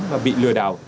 và bị lừa đảo